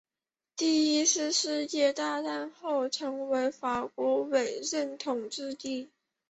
第一次世界大战后成为法国委任统治地。